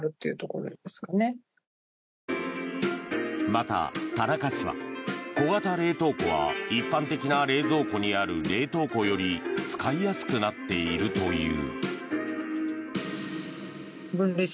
また、田中氏は小型冷凍庫は一般的な冷蔵庫にある冷凍庫より使いやすくなっているという。